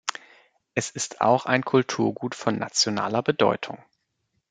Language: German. Er ist auch ein Kulturgut von nationaler Bedeutung.